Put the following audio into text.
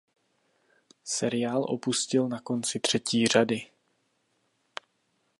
Seriál opustil na konci třetí řady.